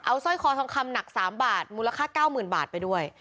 สร้อยคอทองคำหนัก๓บาทมูลค่า๙๐๐บาทไปด้วย